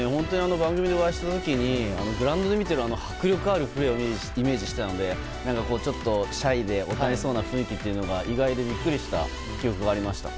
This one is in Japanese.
番組でお会いした時にグラウンドで見ている迫力あるプレーをイメージしていたのでちょっとシャイでおとなしそうな雰囲気というのが意外でビックリした記憶がありました。